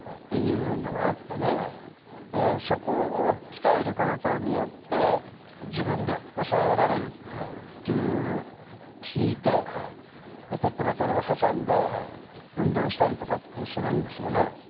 そこを鍛えることによって自分で抑えられると聞いてペットボトルを挟んで運動したりとかってするんですよね。